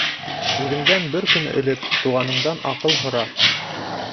Үҙеңдән бер көн элек тыуғаныңдан аҡыл һора.